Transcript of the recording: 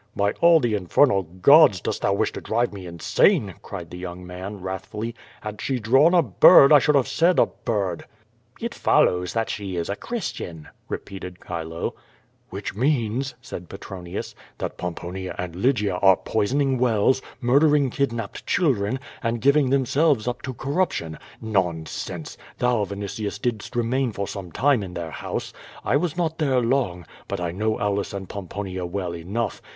"By all the infernal gods, dost thou wish to drive me in sane?" cried the young man, wrathfully. "Had she drawn a bird I should have said a bird." "It follows that she is a Christian," repeated Chilo. "Which means," said Petronius, "that Pomponia and Lygia are poisoning wells, murdering kidnapped cluldren, and giv ing themselves up to corruption. Nonsense! Thou, Vini tius, didst remain for some time in their house. I was not there long, but I know Aulus and Pomponia well enough.